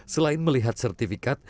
selain melihat sertifikat